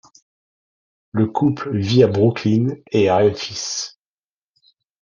Le couple vit à Brooklyn et a un fils.